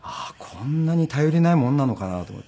こんなに頼りないもんなのかなと思って。